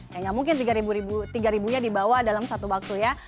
ya mungkin tiga ribu nya dibawa dalam satu waktu ya